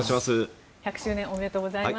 １００周年おめでとうございます。